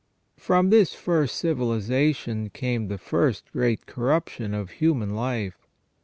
From this first civilization came the first great corruption of human life.